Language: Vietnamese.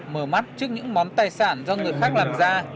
mở mắt trước những món tài sản do người khác làm ra